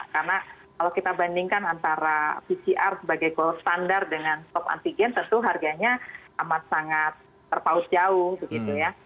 karena kalau kita bandingkan antara pcr sebagai gold standar dengan swab antigen tentu harganya amat sangat terpaut jauh gitu ya